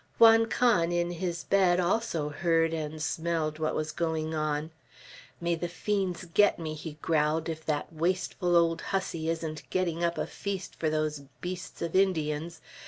Juan Can, in his bed, also heard and smelled what was going on. "May the fiends get me," he growled, "if that wasteful old hussy isn't getting up a feast for those beasts of Indians!